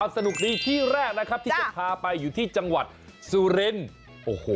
สนุกที่แรกที่จะพาไปอยู่ที่จังหวัดสุรินทร์